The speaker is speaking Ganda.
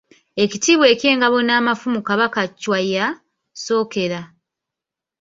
Ekitiibwa eky'Engabo n'Amafumu Kabaka Chwa ya- sookera.